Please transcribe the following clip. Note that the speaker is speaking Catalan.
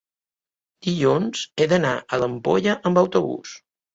dilluns he d'anar a l'Ampolla amb autobús.